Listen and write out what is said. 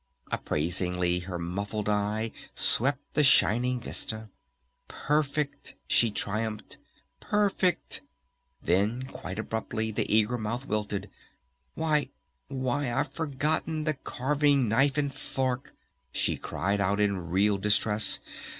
Appraisingly her muffled eye swept the shining vista. "Perfect!" she triumphed. "Perfect!" Then quite abruptly the eager mouth wilted. "Why ... Why I've forgotten the carving knife and fork!" she cried out in real distress.